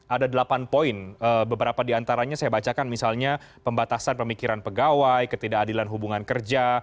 ada delapan poin beberapa diantaranya saya bacakan misalnya pembatasan pemikiran pegawai ketidakadilan hubungan kerja